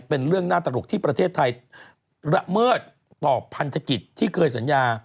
เป็นเรื่องน่าตลกที่ประเทศไทยระเมิดต่อพันธกิจที่เคยสัญญา